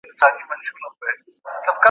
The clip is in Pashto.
که یو مسلمان په ذمي تجاوز وکړي نو وژل کېږي به.